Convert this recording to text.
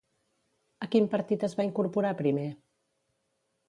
A quin partit es va incorporar primer?